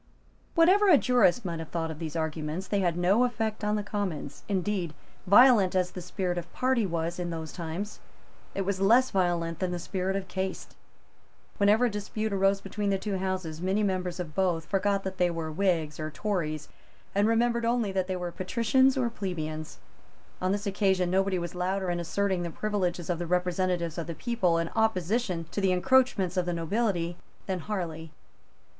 Whatever a jurist might have thought of these arguments, they had no effect on the Commons. Indeed, violent as the spirit of party was in those times, it was less violent than the spirit of caste. Whenever a dispute arose between the two Houses, many members of both forgot that they were Whigs or Tories, and remembered only that they were Patricians or Plebeians. On this occasion nobody was louder in asserting the privileges of the representatives of the people in opposition to the encroachments of the nobility than Harley.